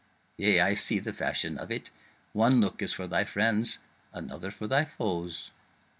Yea, I see the fashion of it: one look is for thy friends, another for thy foes.